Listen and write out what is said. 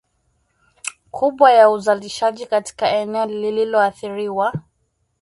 kubwa ya uzalishaji katika eneo lililoathiriwa